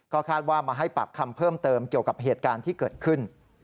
คาดว่ามาให้ปากคำเพิ่มเติมเกี่ยวกับเหตุการณ์ที่เกิดขึ้น